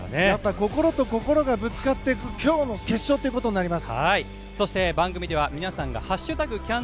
心と心がぶつかっていく今日の決勝ということになります。